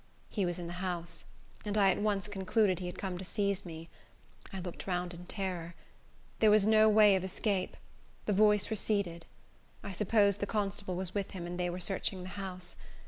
He was in the house, and I at once concluded he had come to seize me. I looked round in terror. There was no way of escape. The voice receded. I supposed the constable was with him, and they were searching the house.